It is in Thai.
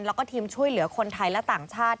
แล้วก็ทีมช่วยเหลือคนไทยและต่างชาติ